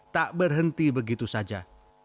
tak berhenti begitu saja